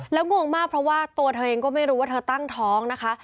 แล้วงงมากเพราะว่าตัวเธอเองก็ไม่รู้ว่าเธอตั้งท้องนะคะ